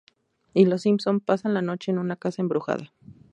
Y los Simpson pasan la noche en una casa embrujada.